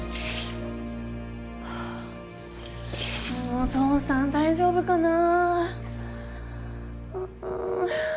もう父さん大丈夫かな。